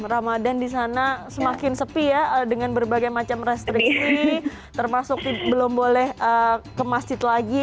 ramadhan di sana semakin sepi ya dengan berbagai macam restriksi termasuk belum boleh ke masjid lagi